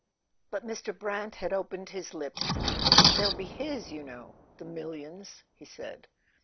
But Mr. Brant had opened his lips. "They'll be his , you know: the millions," he said.